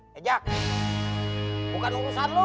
kejak bukan urusan lo